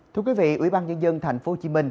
thưa quý vị ủy ban nhân dân tp hcm